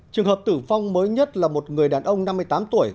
trường hợp tử vong mới nhất là một người đàn ông năm mươi tám tuổi